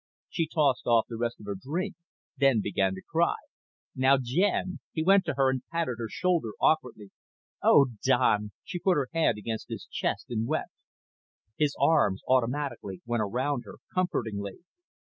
She tossed off the rest of her drink, then began to cry. "Now, Jen " He went to her and patted her shoulder awkwardly. "Oh, Don." She put her head against his chest and wept. His arms automatically went around her, comfortingly.